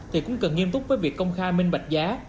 thì cũng cần nghiêm túc với việc công khai minh bạch giá